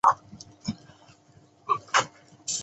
有人但求目的不择手段。